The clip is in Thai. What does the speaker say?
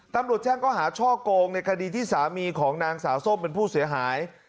ตำรวจแจ้งก็หาช่อโกงในคดีที่สามีของนางสาวส้มเป็นผู้เสียหาย